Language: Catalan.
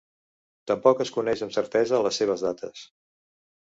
Tampoc es coneix amb certesa les seves dates.